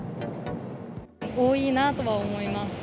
多いなとは思います。